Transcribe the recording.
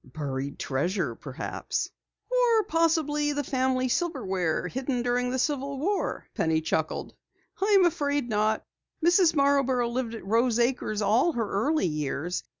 "Buried treasure, perhaps." "Or possibly the family silverware hidden during the Civil War," Penny chuckled. "I'm afraid not. Mrs. Marborough lived at Rose Acres all her early years.